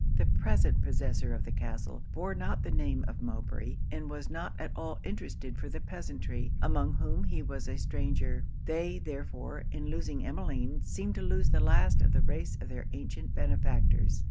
The present possessor of the castle bore not the name of Mowbray, and was not at all interested for the peasantry, among whom he was a stranger; they therefore, in losing Emmeline, seemed to lose the last of the race of their ancient benefactors.